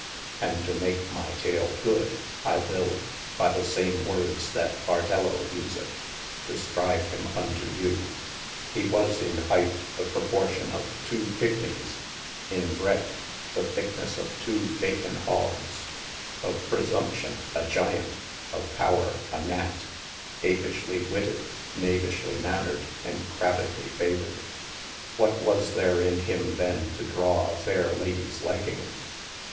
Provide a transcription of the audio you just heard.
And to make my tale good, I will (by the same words that Bartello useth) discribe him unto you. He was in heigth the proportion of two Pigmeis, in bredth the thicknesse of two bacon hogges, of presumption a Gyant, of power a Gnatte, Apishly wytted, Knavishly mannered, and crabbedly favord. What was there in him then to drawe a fayre Ladies liking